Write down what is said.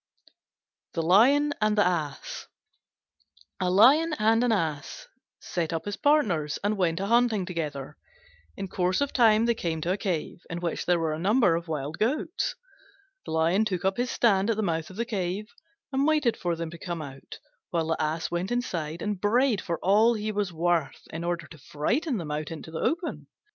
THE LION AND THE ASS A Lion and an Ass set up as partners and went a hunting together. In course of time they came to a cave in which there were a number of wild goats. The Lion took up his stand at the mouth of the cave, and waited for them to come out; while the Ass went inside and brayed for all he was worth in order to frighten them out into the open.